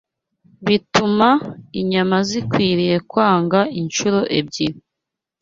bituma imyama zikwiriye kwangwa incuro ebyiri